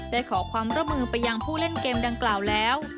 ขอความร่วมมือไปยังผู้เล่นเกมดังกล่าวแล้ว